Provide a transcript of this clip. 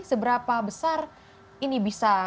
seberapa besar ini bisa